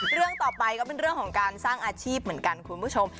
เรื่องต่อไปก็เป็นเรื่องของการสร้างอาชีพเหมือนกันคุณผู้ชม